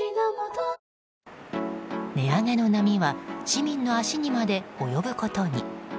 値上げの波は市民の足にまで及ぶことに。